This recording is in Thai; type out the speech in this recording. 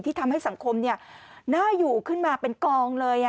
ทำให้สังคมน่าอยู่ขึ้นมาเป็นกองเลย